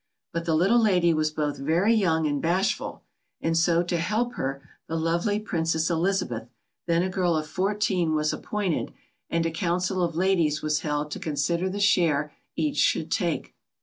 But the little lady was both very young and bashful, and so to help her the lovely Princess Elizabeth, then a girl of fourteen, was appointed, and a council of ladies was held to consider the share each should take.